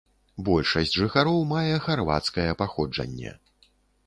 Большасць жыхароў мае харвацкае паходжанне.